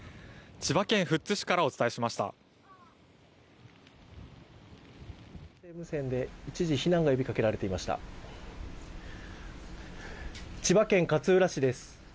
千葉県勝浦市です。